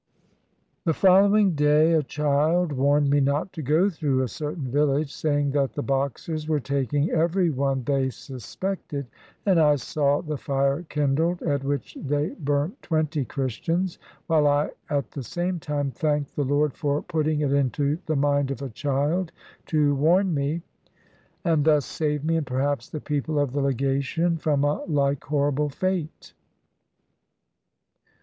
The following day a child warned me not to go through a certain village, saying that the Boxers were taking every one they sus pected, and I saw the fire kindled at which they burnt twenty Christians, while I at the same time thanked the Lord for putting it into the mind of a child to warn me, and thus save me, and perhaps the people of the Legation, from a like horrible fate.